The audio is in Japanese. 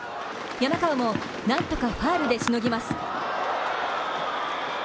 山川のなんとかファールでしのぎます。